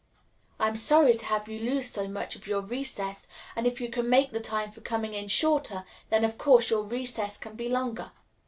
"I am sorry to have you lose so much of your recess, and if you can make the time for coming in shorter, then, of course, your recess can be longer.